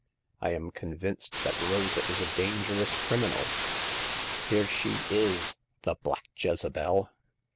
I am convinced that Rosa is a dangerous crim inal. Here she is— the black Jezebel